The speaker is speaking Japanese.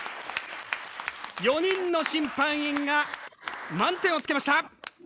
４人の審判員が満点をつけました。